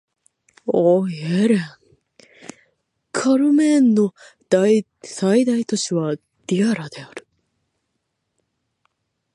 カメルーンの最大都市はドゥアラである